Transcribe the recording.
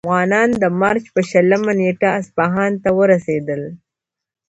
افغانان د مارچ په شلمه نېټه اصفهان ته ورسېدل.